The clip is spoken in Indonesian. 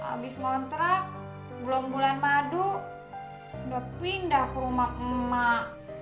abis ngontrak belum bulan madu udah pindah ke rumah emak emak